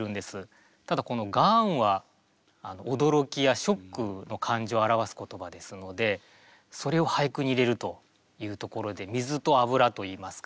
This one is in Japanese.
ただこの「ガーン」は驚きやショックの感情を表す言葉ですのでそれを俳句に入れるというところで水と油といいますか。